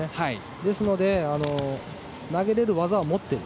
ですので投げられる技は持っている。